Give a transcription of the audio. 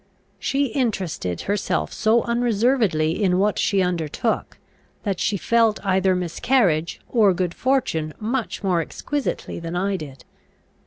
She interested herself so unreservedly in what she undertook, that she felt either miscarriage or good fortune much more exquisitely than I did.